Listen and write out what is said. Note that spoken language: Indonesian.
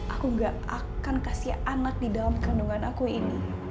aku gak akan kasih anak di dalam kandungan aku ini